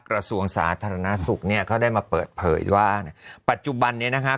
กระทรวงสาธารณสุขเนี่ยเขาได้มาเปิดเผยว่าปัจจุบันนี้นะคะ